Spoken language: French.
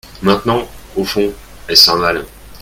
Maintenant, au fond, est-ce un mal ?